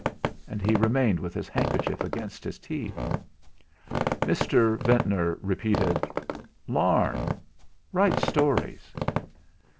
And he remained with his handkerchief against his teeth. Mr. Ventnor repeated: "Larne. Writes stories."